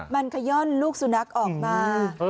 มันขย่อนลูกสุนัขออกมา